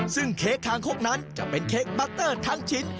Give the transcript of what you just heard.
ซึ่งเค้กคางคกนั้นจะเป็นเค้กบักเตอร์ทั้งชิ้น